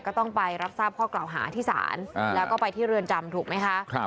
ก็ต้องไปรับทราบข้อกล่าวหาที่ศาลแล้วก็ไปที่เรือนจำถูกไหมคะ